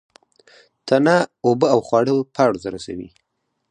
تنه اوبه او خواړه پاڼو ته رسوي